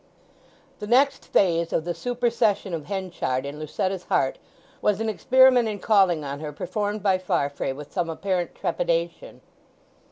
The next phase of the supersession of Henchard in Lucetta's heart was an experiment in calling on her performed by Farfrae with some apparent trepidation.